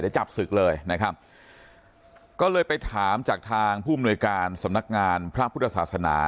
เดี๋ยวจับศึกเลยนะครับก็เลยไปถามจากทางผู้มนวยการสำนักงานพระพุทธศาสนา